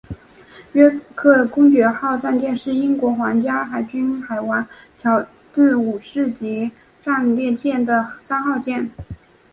约克公爵号战舰是英国皇家海军英王乔治五世级战列舰的三号舰。